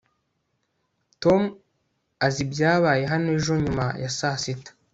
tom azi ibyabaye hano ejo nyuma ya saa sita